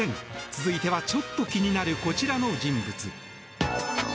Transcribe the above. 続いては、ちょっと気になるこちらの人物。